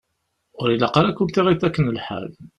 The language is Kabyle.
Ur ilaq ara ad kunt-iɣiḍ akken lḥal!